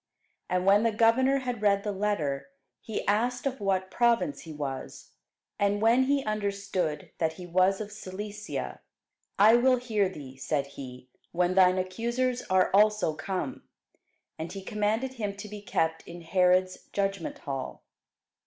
And when the governor had read the letter, he asked of what province he was. And when he understood that he was of Cilicia; I will hear thee, said he, when thine accusers are also come. And he commanded him to be kept in Herod's judgment hall.